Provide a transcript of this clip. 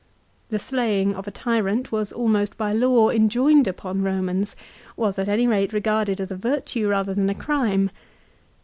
The slaying of a tyrant was almost by law enjoined upon Eomans, was at any rate regarded as a virtue rather than a crime.